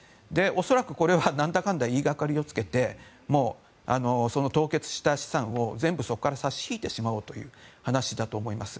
恐らく、これはなんだかんだ言いがかりをつけてもうその凍結した資産を全部そこから差し引いてしまおうという話だと思います。